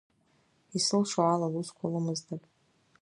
Исылшо ала лусқәа лымыздап.